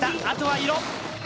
あとは色。